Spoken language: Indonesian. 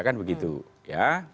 kan begitu ya